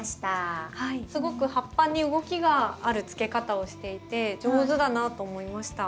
すごく葉っぱに動きがあるつけ方をしていて上手だなと思いました。